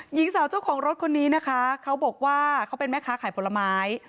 หญิงสาวเจ้าของรถคนนี้นะคะเขาบอกว่าเขาเป็นแม่ค้าขายผลไม้